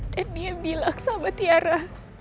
dia bilang sama tiara